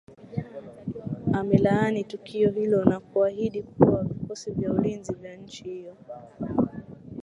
amelaani tukio hilo na kuahidi kuwa vikosi vya ulinzi vya nchi hiyo